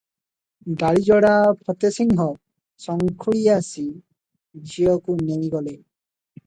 ଡାଳିଯୋଡ଼ା ଫତେସିଂହ ସଙ୍ଖୁଳି ଆସି ଝିଅକୁ ଘେନିଗଲେ ।